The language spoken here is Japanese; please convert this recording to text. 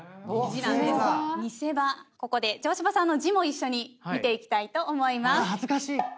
ここで城島さんの字も一緒に見ていきたいと思います。